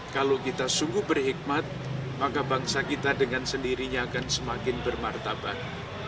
kalau kita sungguh berhikmat maka bangsa kita dengan sendirinya akan semakin bermartabat